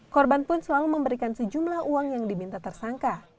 korban pun selalu memberikan sejumlah uang yang diminta tersangka